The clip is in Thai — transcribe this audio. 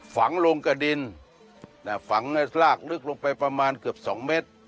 ฝังลงกระดิ้นฝังลากลึกลงไปประมาณ๒เม็ด